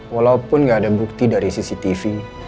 walaupun nggak ada bukti dari cctv